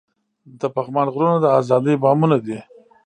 د پغمان غرونه د ازادۍ بامونه دي.